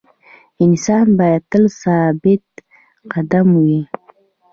انسان باید تل ثابت قدمه وي.